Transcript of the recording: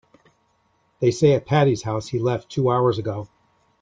They say at Patti's house he left two hours ago.